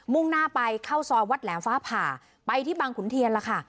่งหน้าไปเข้าซอยวัดแหลมฟ้าผ่าไปที่บางขุนเทียนล่ะค่ะ